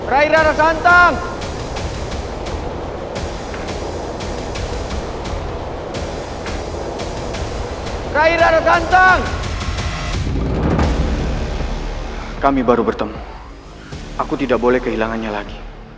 rai rara santang rai rara santang kami baru bertemu aku tidak boleh kehilangannya lagi